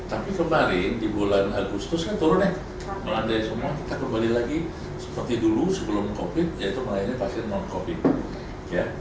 tapi kemarin di bulan agustus kan turun ya melandai semua kita kembali lagi seperti dulu sebelum covid yaitu melayani pasien non covid